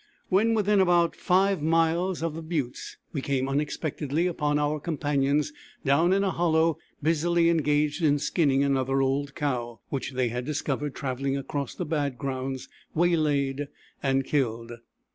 When within about 5 miles of the Buttes we came unexpectedly upon our companions, down in a hollow, busily engaged in skinning another old cow, which they had discovered traveling across the bad grounds, waylaid, and killed.